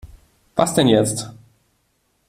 Was denn jetzt?